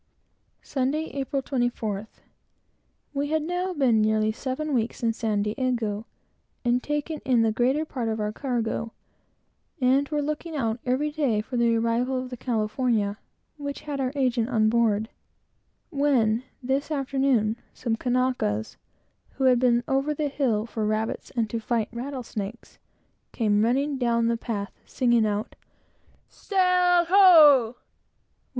Sunday, April 24th. We had now been nearly seven weeks in San Diego, and had taken in the greater part of our cargo, and were looking out, every day, for the arrival of the California, which had our agent on board; when, this afternoon, some Kanakas, who had been over the hill for rabbits and to fight rattlesnakes, came running down the path, singing out, "Kail ho!"